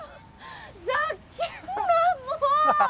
ざけんなもう！